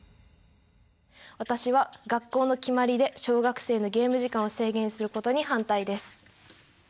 私は学校の決まりで小学生のゲーム時間を制限することに反対です。